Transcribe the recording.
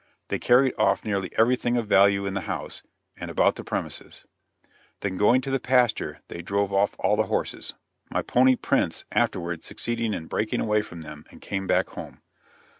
They carried off nearly everything of value in the house and about the premises; then going to the pasture, they drove off all the horses; my pony Prince afterward succeeding in breaking away from them and came back home.